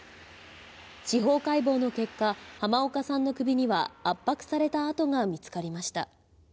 司法解剖の結果、濱岡さんの首には圧迫された痕が見つかりました。